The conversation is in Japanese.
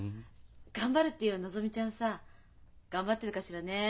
頑張るって言えばのぞみちゃんさ頑張ってるかしらねえ？